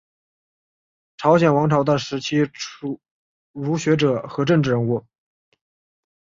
朝鲜王朝的时期儒学者和政治人物。